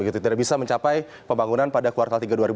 tidak bisa mencapai pembangunan pada kuartal tiga dua ribu dua puluh